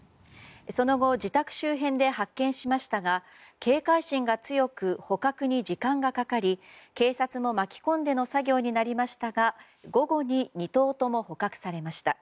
その後自宅周辺で発見しましたが警戒心が強く捕獲に時間がかかり警察も巻き込んでの作業になりましたが午後に２頭とも捕獲されました。